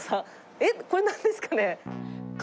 えっ、これ、なんですかね？